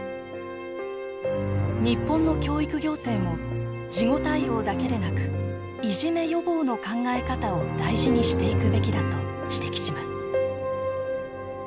日本の教育行政も事後対応だけでなくいじめ予防の考え方を大事にしていくべきだと指摘します。